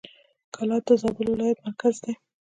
کلات د زابل ولایت مرکز دی.